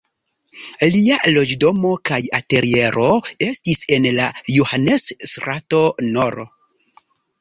Lia loĝdomo kaj ateliero estis en la Johannes-strato nr.